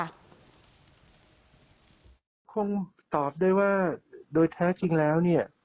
คงตอบได้ว่าโดยแท้จริงแล้วเนี่ย